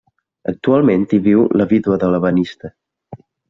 Actualment hi viu la vídua de l'ebenista.